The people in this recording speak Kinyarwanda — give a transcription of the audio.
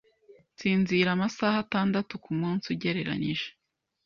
Nsinzira amasaha atandatu kumunsi ugereranije.